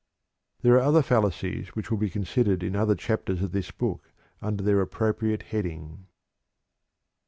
There are other fallacies which will be considered in other chapters of this book, under their appropriate heading.